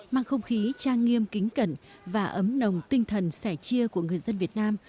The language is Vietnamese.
mang không khí trang nghiêm kính cẩn và ấm nồng tinh thần sẻ chia của người dân việt nam